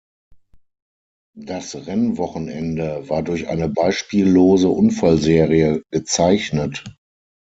Das Rennwochenende war durch eine beispiellose Unfallserie gezeichnet.